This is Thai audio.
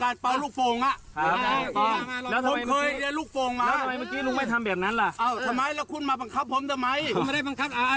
ป่าวจนให้ลูกโปรงแตกครับป่าวจนลูกโปรงแตกอ่ะดูดูดิมันใส่กุญแจอีกน่ะเนี้ย